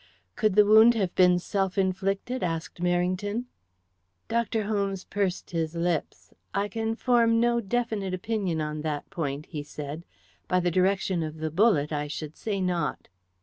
"Could the wound have been self inflicted?" asked Merrington. Dr. Holmes pursed his lips. "I can form no definite opinion on that point," he said. "By the direction of the bullet, I should say not."